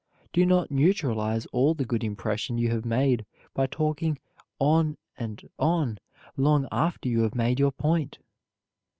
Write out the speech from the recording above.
Do not neutralize all the good impression you have made by talking on and on long after you have made your point.